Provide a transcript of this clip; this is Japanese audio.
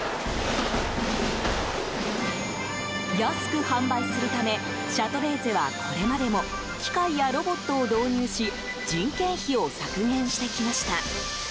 安く販売するためシャトレーゼはこれまでも機械やロボットを導入し人件費を削減してきました。